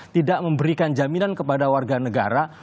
tidak memberikan jaminan kepada warga negara